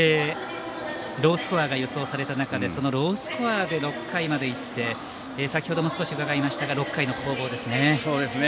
ロースコアが予想された中でそのロースコアで６回までいって先程も少し伺いましたが６回の攻防ですね。